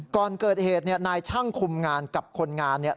ก่อนเกิดเหตุเนี่ยนายช่างคุมงานกับคนงานเนี่ย